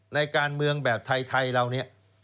ในการเมืองแบบไทยเราเนี่ย